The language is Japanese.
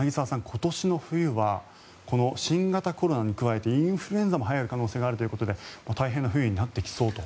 今年の冬はこの新型コロナに加えてインフルエンザもはやる可能性があるということで大変な冬になってきそうと。